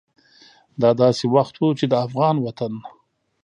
دا داسې وخت و چې د افغان وطن